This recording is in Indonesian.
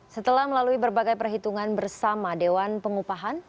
setelah melalui berbagai perhitungan bersama dewan pengupahan